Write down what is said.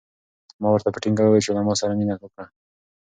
ما ورته په ټینګه وویل چې له ما سره مینه وکړه.